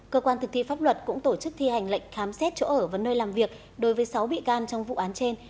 cơ quan thực thi pháp luật cũng tổ chức thi hành lệnh khám xét chỗ ở và nơi làm việc đối với sáu bị can trong vụ án trên